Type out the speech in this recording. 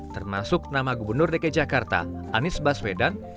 termasuk nama gubernur dki jakarta anies baswedan